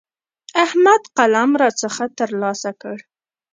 احمد قلم راڅخه تر لاسه کړ.